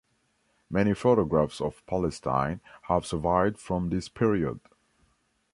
Many photographs of Palestine have survived from this period.